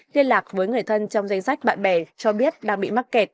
liên lạc với người thân trong danh sách bạn bè cho biết đang bị mắc kẹt